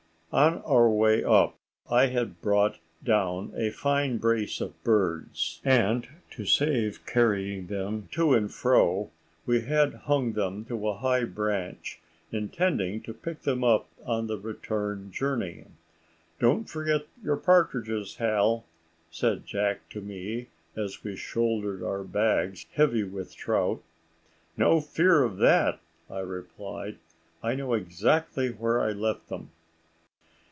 On our way up I had brought down a fine brace of birds, and to save carrying them to and fro had hung them to a high branch, intending to pick them up on the return journey. "Don't forget your partridges, Hal," said Jack to me, as we shouldered our bags heavy with trout. "No fear of that," I replied. "I know exactly where I left them."